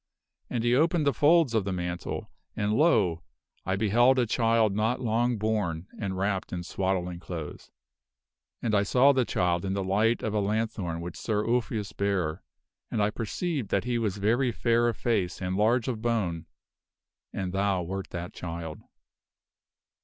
And he opened the folds of the mantle and, lo ! I beheld a child not long born and wrapped in swaddling clothes. And I saw the child in the light of a lanthorn which Sir Ulfius bare, and I perceived that he was very fair of face and large of bone and thou wert that child.